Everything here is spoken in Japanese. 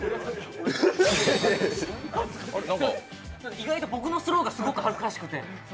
意外と僕のスローが恥ずかしくて。